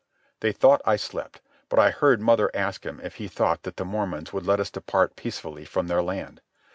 They thought I slept, but I heard mother ask him if he thought that the Mormons would let us depart peacefully from their land.